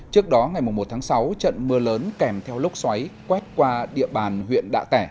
trước đó ngày một tháng sáu trận mưa lớn kèm theo lốc xoáy quét qua địa bàn huyện đạ tẻ